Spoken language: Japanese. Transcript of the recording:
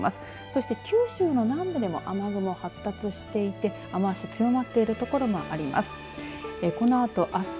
そして九州南部でも雨雲が発達していて雨足強まっている所もあります。